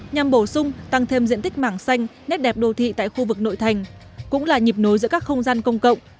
nhằm bổ sung tăng thêm diện tích mảng xanh nét đẹp đô thị tại khu vực nội thành cũng là nhịp nối giữa các không gian công cộng